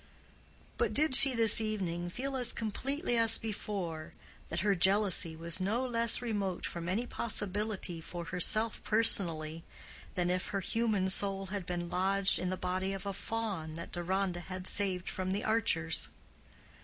But did she this evening feel as completely as before that her jealousy was no less remote from any possibility for herself personally than if her human soul had been lodged in the body of a fawn that Deronda had saved from the archers?